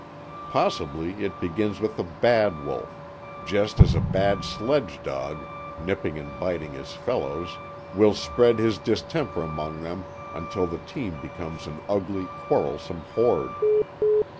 Possibly it begins with a "bad" wolf; just as a "bad" sledge dog, nipping and biting his fellows, will spread his distemper among them until the team becomes an ugly, quarrelsome horde.